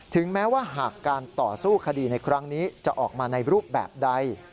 แม้ว่าหากการต่อสู้คดีในครั้งนี้จะออกมาในรูปแบบใด